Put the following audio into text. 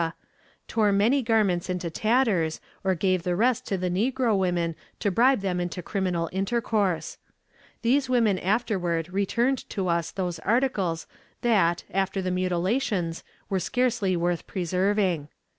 tore many garments into tatters, or gave the rest to the negro women to bribe them into criminal intercourse. These women afterward returned to us those articles that, after the mutilations, were scarcely worth preserving.